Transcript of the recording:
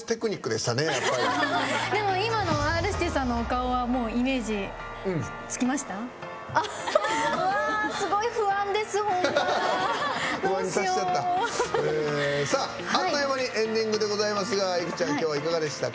でも、今のＲ‐指定さんのお顔はイメージつきました？